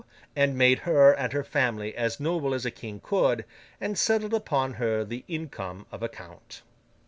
and made her and her family as noble as a King could, and settled upon her the income of a Count.